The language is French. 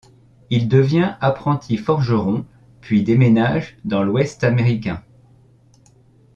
Il devient apprenti forgeron, puis déménage dans l'ouest américain.